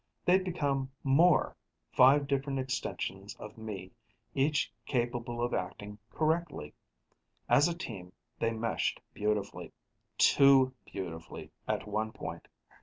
They'd become more: five different extensions of me, each capable of acting correctly. As a team, they meshed beautifully. Too beautifully, at one point.